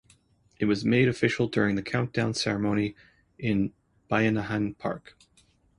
It was made official during the countdown ceremony in Bayanihan Park.